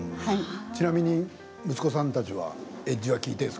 ちなみに息子さんたちはエッジは効いているんですか？